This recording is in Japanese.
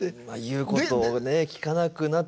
まあ言うことをね